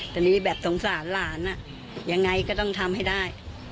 ตอนนี้แบบสงสารหลานยังไงก็ต้องทำให้ได้